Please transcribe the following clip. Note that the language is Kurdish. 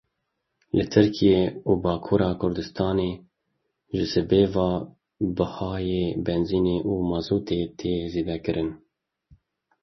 Li Tirkiye û Bakurê Kurdistanê ji sibê ve bihayê benzîn û mazotê tê zêdekirin.